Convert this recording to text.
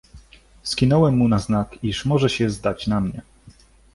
"Skinąłem mu na znak, iż może się zdać na mnie."